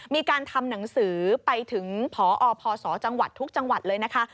มีการทำหนังสือไปถึงพอพศจังหวัดทุกจังหวัดเลยนะคะ